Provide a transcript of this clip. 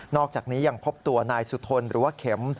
อกจากนี้ยังพบตัวนายสุทนหรือว่าเข็ม